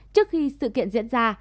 trước khi sự kiện diễn ra